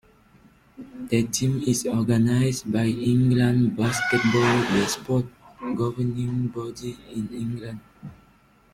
The team is organised by England Basketball, the sport's governing body in England.